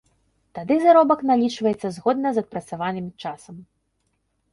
Тады заробак налічваецца згодна з адпрацаваным часам.